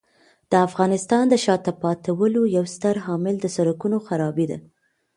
د افغانستان د شاته پاتې والي یو ستر عامل د سړکونو خرابي دی.